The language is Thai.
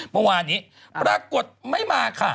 เมื่อวานนี้ปรากฏไม่มาค่ะ